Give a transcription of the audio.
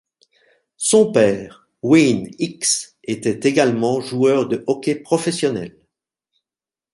Son père Wayne Hicks était également joueur de hockey professionnel.